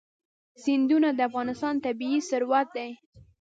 سیندونه د افغانستان طبعي ثروت دی.